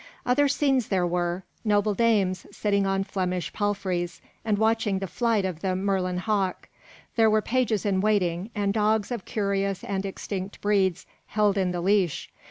Other scenes there were: noble dames, sitting on Flemish palfreys, and watching the flight of the merlin hawk. There were pages in waiting, and dogs of curious and extinct breeds held in the leash.